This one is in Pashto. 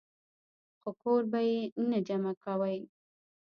خو کور به ئې نۀ جمع کوئ -